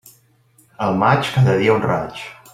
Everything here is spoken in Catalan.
Al maig, cada dia un raig.